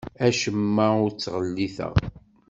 Acemma ur t-ttɣelliteɣ.